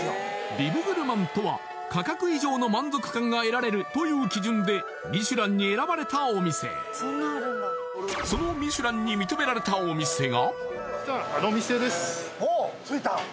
ビブグルマンとは価格以上の満足感が得られるという基準でミシュランに選ばれたお店そのほお着いた？